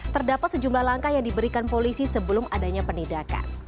terdapat sejumlah langkah yang diberikan polisi sebelum adanya penindakan